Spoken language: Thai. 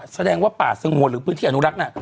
แสดงว่าป่าสงวนหรือพื้นที่อนุรักษ์น่ะ